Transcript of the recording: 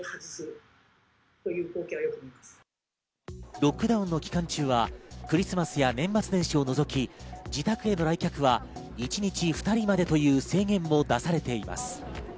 ロックダウンの期間中はクリスマスや年末年始を除き自宅への来客は一日２人までという制限も出されています。